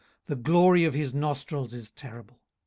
the glory of his nostrils is terrible.